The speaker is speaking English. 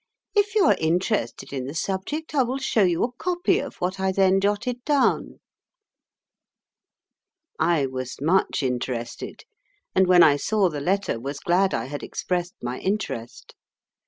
If you are interested in the subject, I will show you a copy of what I then jotted down." I was much interested, and when I saw the letter was glad I had expressed my interest.